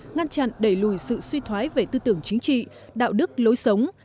ngăn chặn đẩy lùi sự suy thoái về tư tưởng chính trị đạo đức lối sống